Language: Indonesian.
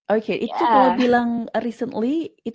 oke misal makan pendanaan pendanaan